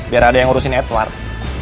biar ada yang urusin edward